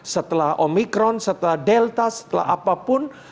setelah omikron setelah delta setelah apapun